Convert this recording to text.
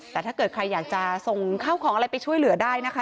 แต่ถ้าเกิดใครอยากจะส่งข้าวของอะไรไปช่วยเหลือได้นะคะ